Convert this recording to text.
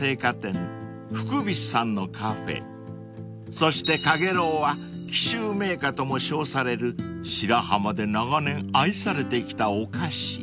［そしてかげろうは紀州銘菓とも称される白浜で長年愛されてきたお菓子］